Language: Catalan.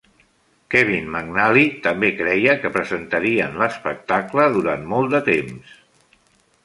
Kevin McNally també creia que presentarien l'espectacle durant molt de temps.